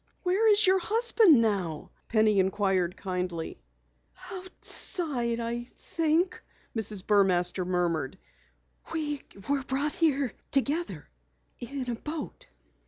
"Where is your husband now?" Penny inquired kindly. "Outside, I think," Mrs. Burmaster murmured. "We were brought here together in a boat."